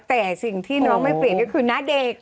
แต่สิ่งที่น้องไม่เปลี่ยนก็คือหน้าเด็ก